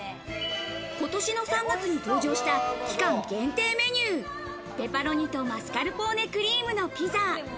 今年の３月に登場した期間限定メニュー、ペパロニとマスカルポーネクリームのピザ。